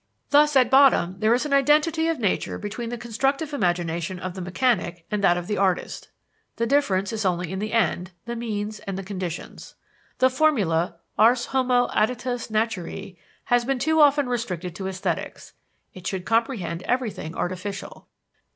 " Thus, at bottom, there is an identity of nature between the constructive imagination of the mechanic and that of the artist: the difference is only in the end, the means, and the conditions. The formula, Ars homo additus naturae, has been too often restricted to esthetics it should comprehend everything artificial.